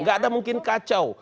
enggak ada mungkin kacau